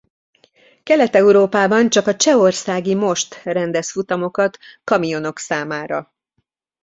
Kelet Európában csak a csehországi Most rendez futamokat kamionok számára.